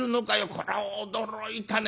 こりゃ驚いたね。